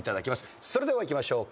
それではいきましょう。